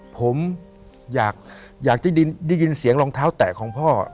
ผมอยากจะได้ยินเสียงรองเท้าแตกของพ่อ